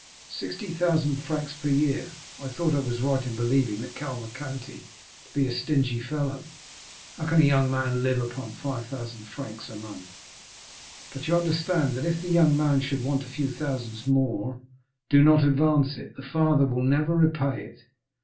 "Sixty thousand francs per year. I thought I was right in believing that Cavalcanti to be a stingy fellow. How can a young man live upon 5,000 francs a month?" "But you understand that if the young man should want a few thousands more——" "Do not advance it; the father will never repay it.